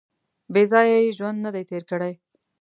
• بېځایه یې ژوند نهدی تېر کړی.